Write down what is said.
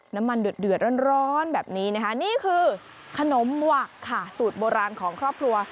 น้ำมันเดือดร้อนแบบนี้นะคะนี่คือขนมหวักค่ะสูตรโบราณของครอบครัว